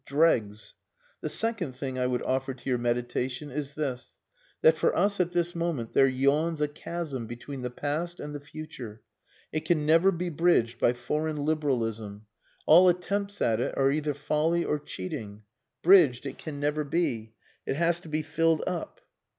Dregs! The second thing I would offer to your meditation is this: that for us at this moment there yawns a chasm between the past and the future. It can never be bridged by foreign liberalism. All attempts at it are either folly or cheating. Bridged it can never be! It has to be filled up."